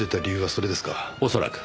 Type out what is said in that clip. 恐らく。